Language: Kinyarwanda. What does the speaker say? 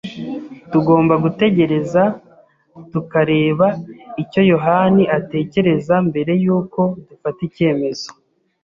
Tugomba gutegereza tukareba icyo yohani atekereza mbere yuko dufata icyemezo.